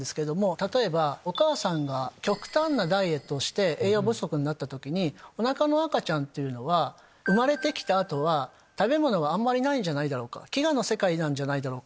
例えばお母さんが極端なダイエットをして栄養不足になった時におなかの赤ちゃんっていうのは生まれて来た後は食べ物がないんじゃないだろうか飢餓の世界じゃないだろうかと。